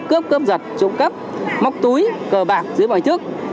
cướp cướp giật trộm cắp móc túi cờ bạc dưới bãi thước